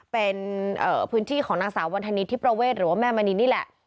เป็นพื้นที่ของนางสาววันธนีที่ประเวทหรือว่าแม่มณีนี่แหละ